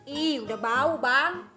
ih udah bau bang